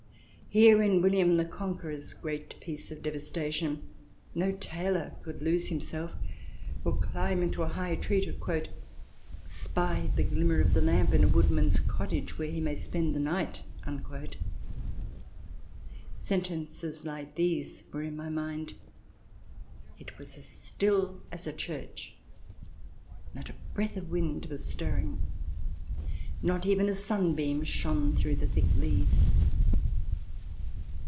Here, in William the Conqueror's great piece of devastation, no tailor could lose him self, or climb into a high tree to " spy the glimmer of the lamp in a woodman's cottage where he may spend the night." Sentences like these were in my mind :" It was as still as a church. ... Not a breath of wind was stirring ... not even a sun beam shone through the thick leaves.